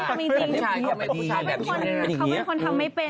เขาเป็นคนทำไม่เป็น